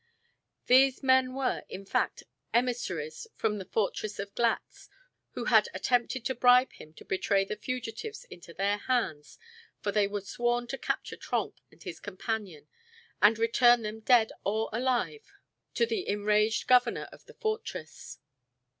These men were, in fact, emissaries from the fortress of Glatz who had attempted to bribe him to betray the fugitives into their hands, for they were sworn to capture Trenck and his companion and return them dead or alive to the enraged governor of the fortress.